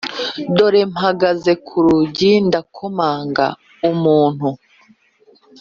Dore mpagaze ku rugi ndakomanga Umuntu